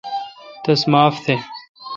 تس معاف تھ۔